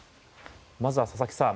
まずは佐々木さん